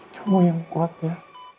kamu yang kuat ya